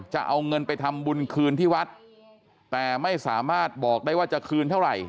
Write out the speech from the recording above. จะเอาเงินไปทำบุญคืนที่วัดแต่ไม่สามารถบอกได้ว่าจะคืนเท่าไหร่